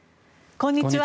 こんにちは。